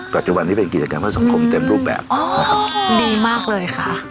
ปัจจุบันนี้เป็นกิจกรรมเพื่อสังคมเต็มรูปแบบอ๋อดีมากเลยค่ะ